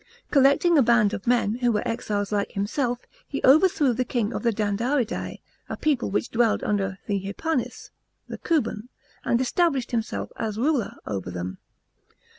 Collecting a band of men, who were exiles like himself, he overthrew the king of the Dandaridae, a people which dwelled near the Hypanis(the Kuban), and established himself as ruler over them.